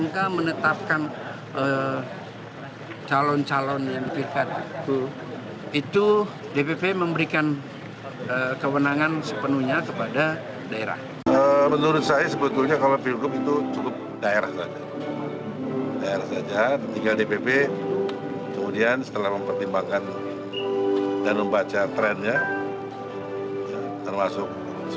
kemenangan sepenuhnya kepada daerah